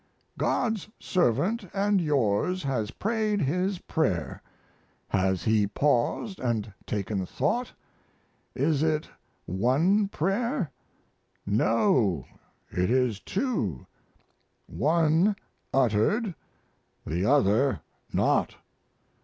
"God's servant & yours has prayed his prayer. Has he paused & taken thought? Is it one prayer? No, it is two one uttered, the other not.